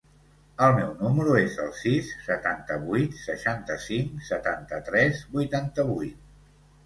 El meu número es el sis, setanta-vuit, seixanta-cinc, setanta-tres, vuitanta-vuit.